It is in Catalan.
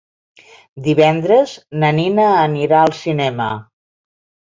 Divendres na Nina anirà al cinema.